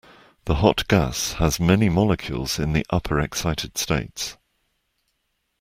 The hot gas has many molecules in the upper excited states.